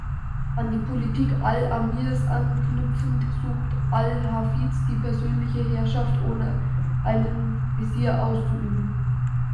An die Politik al-Amirs anknüpfend, suchte al-Hafiz die persönliche Herrschaft ohne einen Wesir auszuüben.